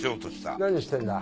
何してるんだ？